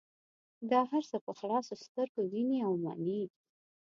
دا هر څه په خلاصو سترګو وینې او مني.